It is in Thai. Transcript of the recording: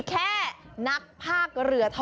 เห้ยงะเหรอคะ